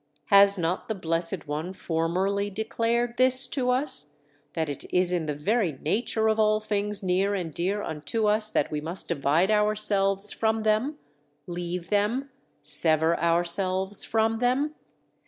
Has not the Blessed One formerly declared this to us, that it is in the very nature of all things near and dear unto us that we must divide ourselves from them, leave them, sever ourselves from them?